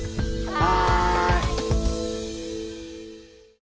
はい！